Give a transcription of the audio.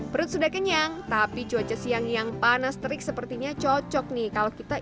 perut sudah kenyang tapi cuaca siang yang panas terik sepertinya cocok nih kalau kita